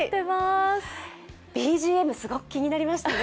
ＢＧＭ、すごく気になりましたね。